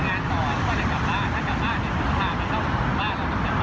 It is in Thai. ต้องทำงานต่อแล้วก็เลยกลับมาถ้าจะมาในสุภาพก็ต้องกลับมาแล้วก็กลับมา